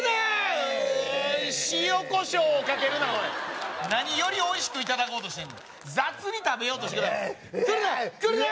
うーん塩コショウをかけるな何よりおいしくいただこうとしてんねん雑に食べようとして来るな来るなー！